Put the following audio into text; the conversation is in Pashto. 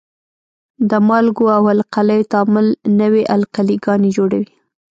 د مالګو او القلیو تعامل نوې القلي ګانې جوړوي.